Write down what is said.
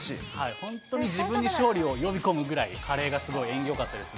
本当に自分に勝利を呼び込むぐらい、カレーがすごい縁起よかったですね。